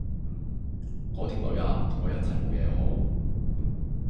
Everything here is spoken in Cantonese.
嗰條女啊，同佢一齊冇嘢好